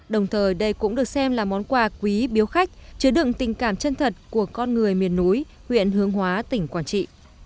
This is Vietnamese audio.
đồng thời đây cũng được xem là món quà quý biếu khách chứa đựng tình cảm chân thật của con người miền núi huyện hướng hóa tỉnh quảng trị